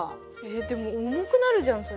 えっでも重くなるじゃんそれ。